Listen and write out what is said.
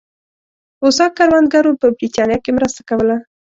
هوسا کروندګرو په برېټانیا کې مرسته کوله.